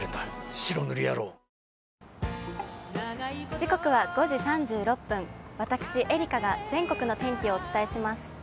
時刻は５時３６分、私、愛花が全国の天気をお伝えします。